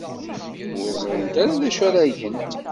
Ur ẓrint ara d acu ara gent.